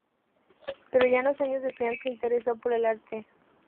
Pero ya en los años de estudiante se interesó por el arte.